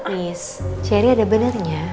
nis ceri ada benernya